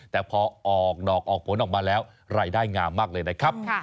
แต่พอออกดอกออกผลออกมาแล้วรายได้งามมากเลยนะครับ